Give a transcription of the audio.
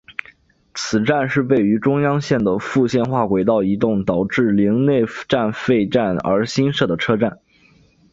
此站是位于中央线的复线化轨道移动导致陵内站废站而新设的车站。